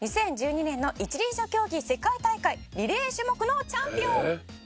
「２０１２年の一輪車競技世界大会リレー種目のチャンピオン！」